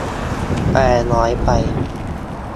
แปลน้อยไป